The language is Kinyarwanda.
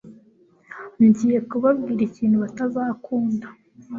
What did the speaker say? Ngiye kubabwira ikintu batazakunda